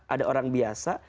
ada orang biasa